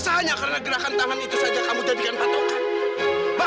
rasanya karena gerakan tangan itu saja kamu jadikan patokan